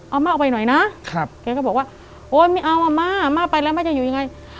เอาม่าเอาไปหน่อยนะแกก็บอกว่าโอ๊ยไม่เอาอ่ะม่าม่าไปแล้วม่าจะอยู่ยังไง